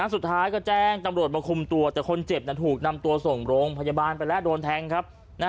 สุดท้ายก็แจ้งตำรวจมาคุมตัวแต่คนเจ็บถูกนำตัวส่งโรงพยาบาลไปแล้วโดนแทงครับ